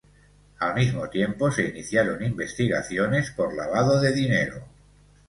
Al mismo tiempo se iniciaron investigaciones por lavado de dinero.